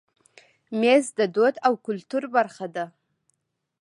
مېز د دود او کلتور برخه ده.